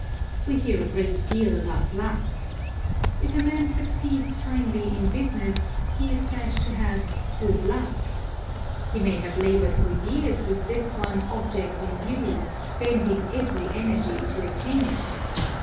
We hear a great deal about luck. If a man succeeds finely in business, he is said to have "good luck." He may have labored for years with this one object in view, bending every energy to attain it.